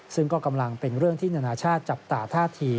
ซึ่งก็กำลังเป็นเรื่องที่นานาชาติจับตาท่าที